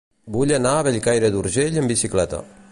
Vull anar a Bellcaire d'Urgell amb bicicleta.